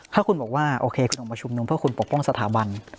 ถ้าคุณบอกว่าโอเคคุณออกมาชุมนุมเพื่อคุณปกป้องสถาบัน